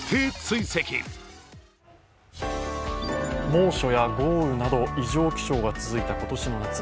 猛暑や豪雨など異常気象が続いた今年の夏。